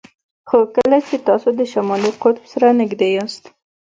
خو کله چې تاسو د شمالي قطب سره نږدې یاست